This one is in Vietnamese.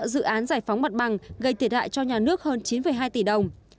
giải phóng mặt bằng gây thiệt hại cho nhà nước hơn chín hai tỷ đồng